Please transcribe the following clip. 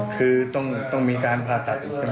คือต้องมีการผ่าตัดอีกใช่ไหม